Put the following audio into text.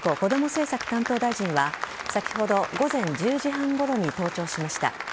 政策担当大臣は先ほど午前１０時半ごろに登庁しました。